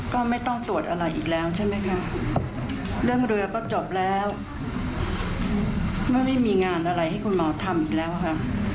ก็ไม่ต้องตรวจอะไรอีกแล้วใช่ไหมคะเรื่องเรือก็จบแล้วไม่ได้มีงานอะไรให้คุณหมอทำอีกแล้วค่ะ